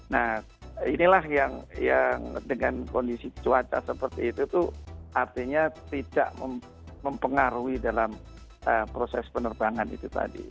nah inilah yang dengan kondisi cuaca seperti itu tuh artinya tidak mempengaruhi dalam proses penerbangan itu tadi